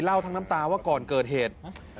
ทั้งน้ำตาว่าก่อนเกิดเหตุ